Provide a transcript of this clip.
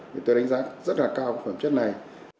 thì tôi đánh giá rất là cao cái phẩm chất này